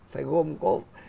phải gồm có